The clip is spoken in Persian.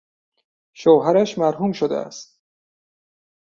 شوهرش مرحوم شده است.